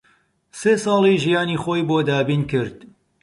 سی ساڵی ژیانی خۆی بۆ دابین کرد